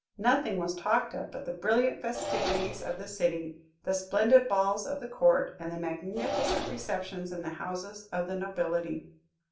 Nothing was talked of but the brilliant festivities of the city, the splendid balls of the Court, and the magnificent receptions in the houses of the nobility.